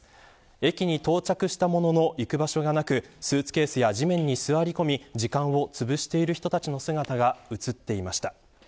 駅に到着したものの行く場所がなくスーツケースや地面に座り込み時間をつぶしている人たちの姿が映っていました。